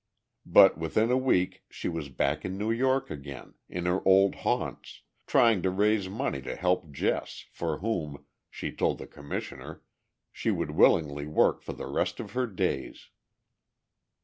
But within a week she was back in New York again, in her old haunts, trying to raise money to help Jess, for whom, she told the Commissioner, she would willingly work for the rest of her days.